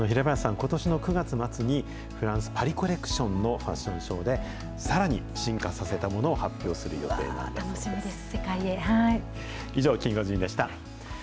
平林さん、ことしの９月末に、フランス・パリコレクションのファッションショーでさらに進化させたものを発表する予定なんだそ楽しみです。